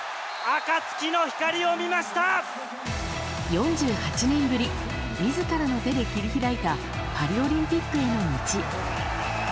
４８年ぶり自らの手で切り開いたパリオリンピックへの道。